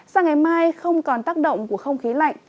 sang ngày mai không còn tác động của không khí lạnh